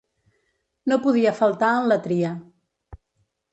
No podia faltar en la tria.